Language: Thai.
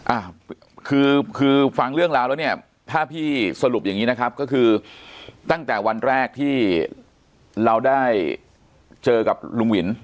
อ่าคือคือฟังเรื่องราวแล้วเนี่ยถ้าพี่สรุปอย่างนี้นะครับก็คือตั้งแต่วันแรกที่เราได้เจอกับลุงหวิน